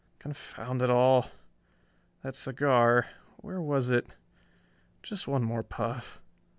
Confound it all ... that cigar ... where was it?... Just one more puff....